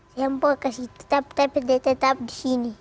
sempowa kasih tetap tetap di sini